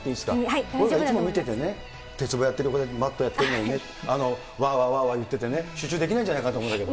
いつも見ててね、鉄棒やってる横で、マットやってて、わーわーわーわー言っててね、集中できないんじゃないかと思ってたんだ